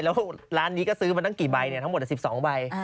แล้วร้านนี้ก็ซื้อมาตั้งกี่ใบทั้งหมด๑๒ใบ